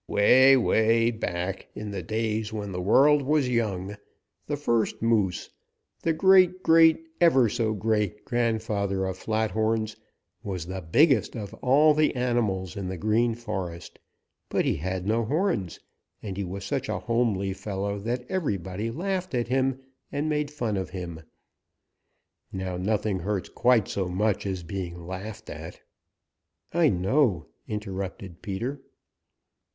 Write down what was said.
Way, way back in the days when the world was young, the first Moose, the great great ever so great grandfather of Flathorns, was the biggest of all the animals in the Green Forest, but he had no horns, and he was such a homely fellow that everybody laughed at him and made fun of him. Now nothing hurts quite so much as being laughed at." "I know," interrupted Peter.